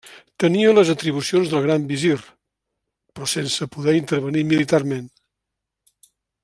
Tenia les atribucions del gran visir però sense poder intervenir militarment.